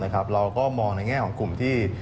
ครับเราก็มองในแง่กลุ่มที่